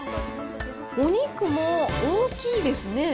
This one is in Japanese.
お肉も大きいですね。